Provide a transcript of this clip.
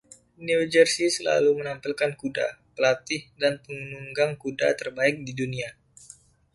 New Jersey selalu menampilkan kuda, pelatih, dan penunggang kuda terbaik di dunia.